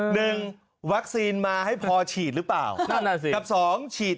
หนึ่งวัคซีนมาให้พอฉีดหรือเปล่าสองฉีด